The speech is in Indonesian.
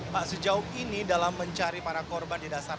pak sejauh ini dalam mencari para korban di dasar